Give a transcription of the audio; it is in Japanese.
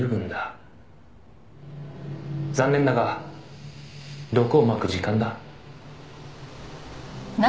「残念だが毒をまく時間だ」